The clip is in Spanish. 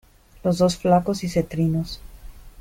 los dos flacos y cetrinos: